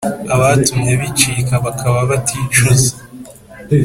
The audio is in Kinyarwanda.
Abatumye bicika bakaba baticuza